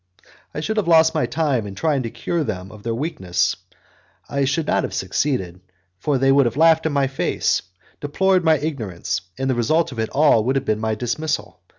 I should have lost my time in trying to cure them of their weakness; I should not have succeeded, for they would have laughed in my face, deplored my ignorance, and the result of it all would have been my dismissal.